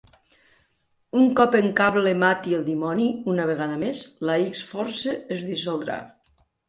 Un cop en Cable mati el dimoni una vegada més, la X-Force es dissoldrà.